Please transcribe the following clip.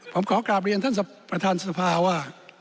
ผมขอกลับเรียนท่านประธานสภาว่า